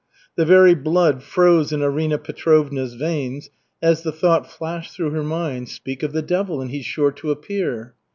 The very blood froze in Arina Petrovna's veins as the thought flashed through her mind, "Speak of the devil and he's sure to appear."